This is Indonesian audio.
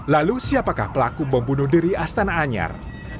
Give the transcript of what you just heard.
lalu siapakah pelaku bom bunuh diri astana anyar